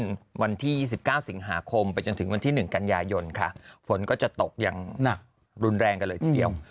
วันที่๒๙สิงหาคมไปจนถึงวันที่๑กันยายนค่ะฝนก็จะตกอย่างหนักรุนแรงกันเลยทีเดียว